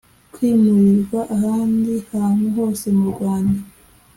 kwimurirwa ahandi hantu hose mu Rwanda